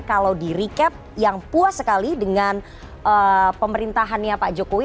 kalau di recap yang puas sekali dengan pemerintahannya pak jokowi